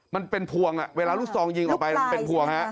มันเป็นพวงเวลาลูกซองยิงออกไปมันเป็นพวงฮะ